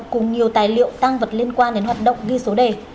cùng nhiều tài liệu tăng vật liên quan đến hoạt động ghi số đề